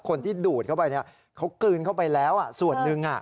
คนที่ดูดเข้าไปเนี้ยเขากลืนเข้าไปแล้วอ่ะส่วนหนึ่งอ่ะ